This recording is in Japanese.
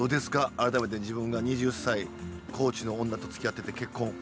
改めて自分が２０歳高知の女とつきあってて結婚。